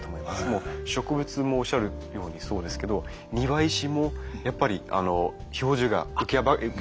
もう植物もおっしゃるようにそうですけど庭石もやっぱり表情が浮き上がって。